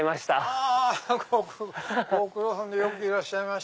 あご苦労さんでよくいらっしゃいました。